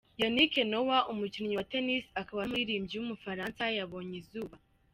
Yannick Noah, umukinnyi wa Tennis akaba n’umuririmbyi w’umufaransa yabonye izuba.